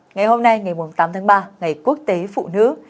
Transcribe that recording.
ngày hôm nay ngày tám tháng ba ngày quốc tế phụ nữ